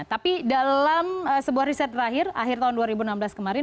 tapi dalam sebuah riset terakhir akhir tahun dua ribu enam belas kemarin